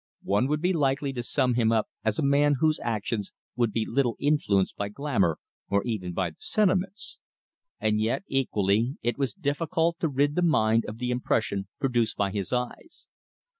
One would be likely to sum him up as a man whose actions would be little influenced by glamour or even by the sentiments. And yet, equally, it was difficult to rid the mind of the impression produced by his eyes.